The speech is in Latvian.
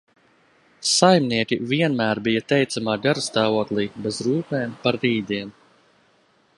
Saimnieki vienmēr bija teicamā garastāvoklī, bez rūpēm par rītdienu.